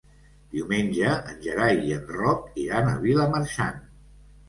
Diumenge en Gerai i en Roc iran a Vilamarxant.